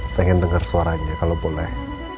pengen dengar suaranya kalau boleh